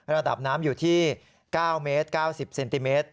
ระดับน้ำอยู่ที่๙เมตร๙๐เซนติเมตร